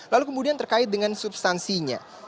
lalu kemudian terkait dengan substansinya